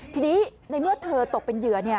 ทีนี้ในเมื่อเธอตกเป็นเหยื่อ